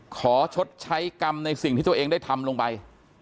ชดใช้กรรมในสิ่งที่ตัวเองได้ทำลงไป